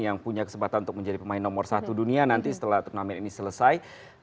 yang punya kesempatan untuk menjadi pemain nomor satu dunia nanti setelah turnamen ini selesai